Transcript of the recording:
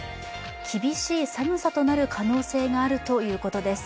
厳しい寒さとなる可能性があるということです。